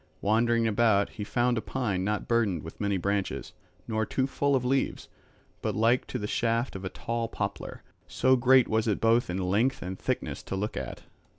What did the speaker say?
Wandering about he found a pine not burdened with many branches, nor too full of leaves, but like to the shaft of a tall poplar; so great was it both in length and thickness to look at.